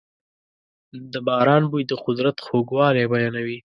د باران بوی د قدرت خوږوالی بیانوي.